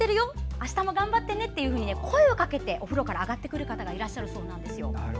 あしたも頑張ってね」と声をかけてお風呂から上がる方もいらっしゃるそうです。